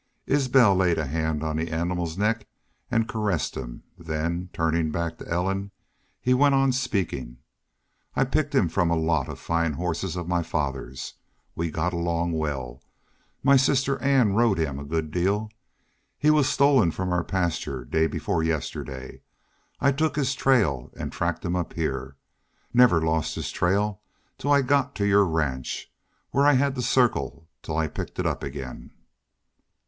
Isbel laid a hand on the animal's neck and caressed him, then, turning back to Ellen, he went on speaking: "I picked him from a lot of fine horses of my father's. We got along well. My sister Ann rode him a good deal.... He was stolen from our pasture day before yesterday. I took his trail and tracked him up here. Never lost his trail till I got to your ranch, where I had to circle till I picked it up again."